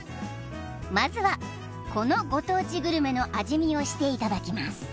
まずはこのご当地グルメの味見をしていただきます